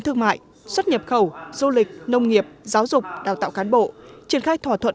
thương mại xuất nhập khẩu du lịch nông nghiệp giáo dục đào tạo cán bộ triển khai thỏa thuận